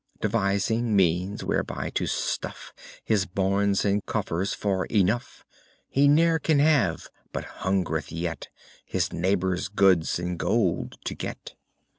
Devising means whereby to stuff His barns and coffers, for 'enough' He ne'er can have, but hungreth yet His neighbors' goods and gold to get.